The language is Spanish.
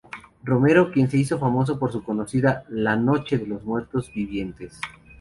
Romero, quien se hizo famoso por su conocida "La noche de los muertos vivientes".